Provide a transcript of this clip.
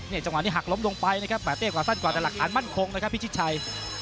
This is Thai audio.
จังหวะนี้หักล้มลงไปนะครับ๘เต้กว่าสั้นกว่าแต่หลักฐานมั่นคงนะครับพิชิตชัย